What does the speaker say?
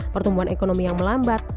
pertumbuhan ekonomi yang melambat